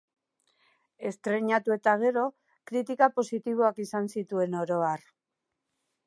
Estreinatu eta gero, kritika positiboak izan zituen, oro har.